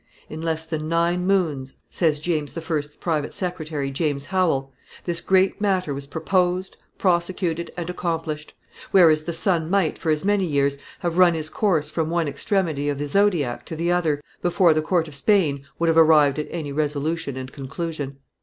"In less than nine moons," says James I.'s private secretary, James Howell, "this great matter was proposed, prosecuted, and accomplished; whereas the sun might, for as many years, have run his course from one extremity of the zodiac to the other, before the court of Spain would have arrived at any resolution and conclusion.